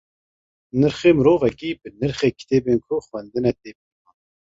Nirxê mirovekî bi nirxê kitêbên ku xwendine tê pîvan.